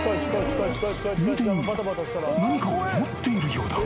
［右手に何かを持っているようだ］